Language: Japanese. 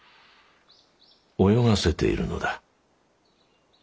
泳がせているのだ。